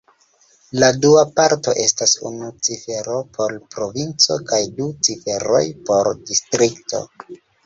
La dua parto estas unu cifero por provinco kaj du ciferoj por distrikto.